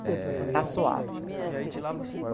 Tá suave.